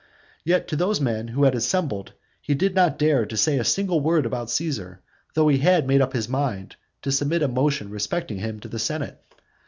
And yet to those men who had assembled he did not dare to say a single word about Caesar, though he had made up his mind to submit a motion respecting him to the senate.